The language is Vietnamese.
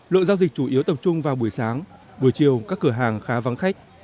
lượng giao dịch chủ yếu tập trung vào buổi sáng buổi chiều các cửa hàng khá vắng khách